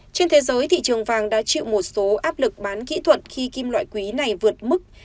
trên thế giới thị trường vàng đã chịu một số áp lực bán kỹ thuật khi kim loại quý này vượt mức